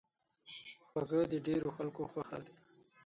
خوږه د ډېرو خلکو خوښه ده.